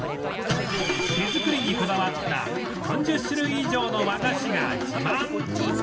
手作りにこだわった４０種類以上の和菓子が自慢